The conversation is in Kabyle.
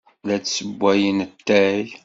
La d-ssewwayen atay.